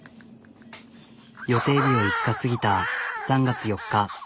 予定日を５日過ぎた３月４日